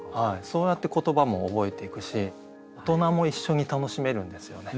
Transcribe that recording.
そうやって言葉も覚えていくし大人も一緒に楽しめるんですよね。